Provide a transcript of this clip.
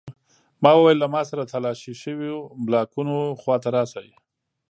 ما وویل له ما سره د تالاشي شویو بلاکونو خواته راشئ